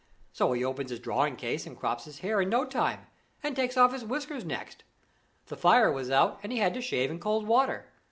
So he opens his dressing case and crops his hair in no time, and takes off his whiskers next. The fire was out, and he had to shave in cold water.